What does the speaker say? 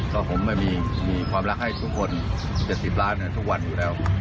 ก็ผมไม่มีความรักให้ทุกคน๗๐ล้านทุกวันอยู่แล้ว